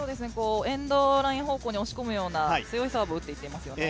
エンドライン方向に打ち込むような強いサーブを打っていっていますよね。